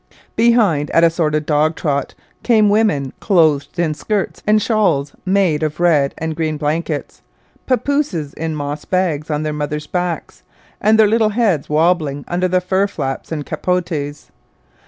Behind at a sort of dog trot came women, clothed in skirts and shawls made of red and green blankets; papooses in moss bags on their mothers' backs, their little heads wobbling under the fur flaps and capotes.